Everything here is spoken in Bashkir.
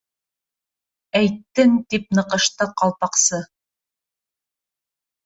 — Әйттең, —тип ныҡышты Ҡалпаҡсы.